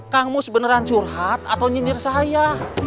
kang mus beneran curhat atau nyindir saya